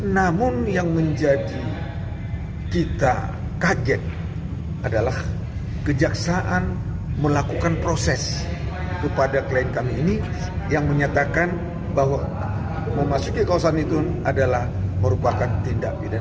namun yang menjadi kita kaget adalah kejaksaan melakukan proses kepada klien kami ini yang menyatakan bahwa memasuki kawasan itu adalah merupakan tindak pidana